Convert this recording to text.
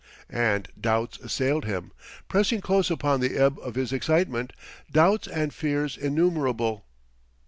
And doubts assailed him, pressing close upon the ebb of his excitement doubts and fears innumerable.